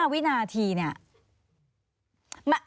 วินาทีเนี่ย